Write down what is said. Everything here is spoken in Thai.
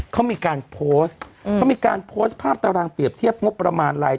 เขามีการโพสต์เขามีการโพสต์ภาพตารางเปรียบเทียบงบประมาณลาย